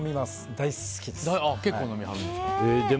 大好きです。